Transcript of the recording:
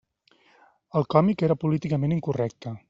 El còmic era políticament incorrecte.